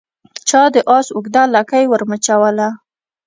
چا د آس اوږده لکۍ ور مچوله